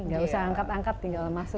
gak usah angkat angkat tinggal masuk